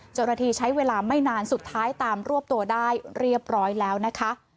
เจ้าหน้าที่ใช้เวลาไม่นานสุดท้ายตามรวบตัวได้เรียบร้อยแล้วนะคะ